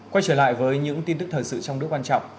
quay trở lại với những tin tức thời sự trong nước quan trọng